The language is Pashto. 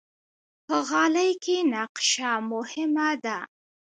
په غالۍ کې نقشه مهمه ده.